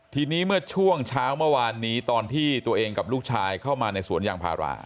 ทีนี้เมื่อช่วงเช้าเมื่อวานนี้ตอนที่ตัวเองกับลูกชายเข้ามาในสวนยางพารา